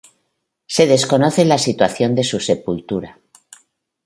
Se desconoce la situación de su sepultura.